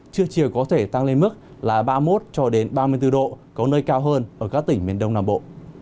trước chiều có thể tăng lên mức là ba mươi một ba mươi bốn độ có nơi cao hơn ở các tỉnh miền đông nam bộ